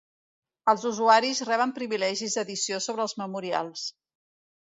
Els usuaris reben privilegis d'edició sobre els memorials.